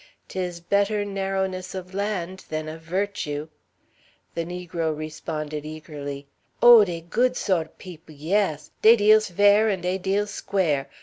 "'Tis better narrowness of land than of virtue." The negro responded eagerly: "Oh, dey good sawt o' peop', yes. Dey deals fair an' dey deals square.